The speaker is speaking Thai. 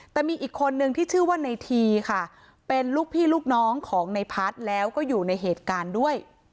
แต่มีอีกคนนึงที่ชื่อว่าในทีค่ะเป็นลูกพี่ลูกน้องของในพัฒน์แล้วก็อยู่ในเหตุการณ์ด้วย